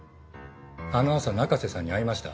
あの朝中瀬さんに会いました。